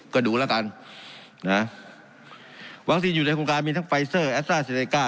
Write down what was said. ก็ดูแล้วกันนะวัคซีนอยู่ในโครงการมีทั้งไฟเซอร์แอสตราเซเนก้า